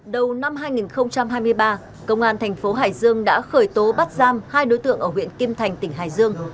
đầu năm hai nghìn hai mươi ba công an thành phố hải dương đã khởi tố bắt giam hai đối tượng ở huyện kim thành tỉnh hải dương